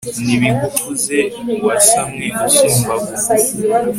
nibigukuze, wasamwe usumba abo